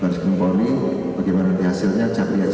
baris kemampuan ini bagaimana hasilnya